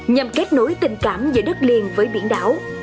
nhằm kết nối tình cảm giữa đất liền với biển đảo